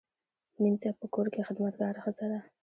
مینځه په کور کې خدمتګاره ښځه ده